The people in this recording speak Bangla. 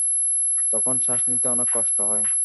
তখন শ্বাস নিতে অনেক কষ্ট হয়।